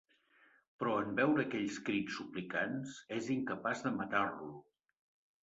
Però en veure aquells crits suplicants, és incapaç de matar-lo.